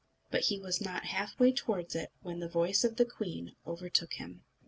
But he was not half way towards it, when the voice of his queen overtook him.